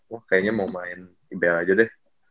wah kayaknya mau main ibl aja deh